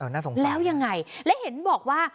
น่าสงสัยแล้วยังไงและเห็นบอกว่า